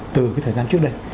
từ cái thời gian trước đây